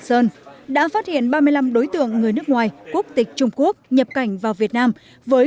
sơn đã phát hiện ba mươi năm đối tượng người nước ngoài quốc tịch trung quốc nhập cảnh vào việt nam với